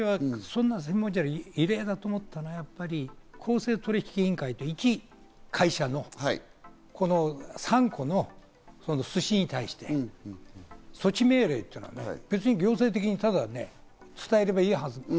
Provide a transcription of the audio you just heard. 今回、異例だと思ったのは公正取引委員会、いち会社の３個の寿司に対して措置命令というのはね、行政的にただね、伝えればいいはず。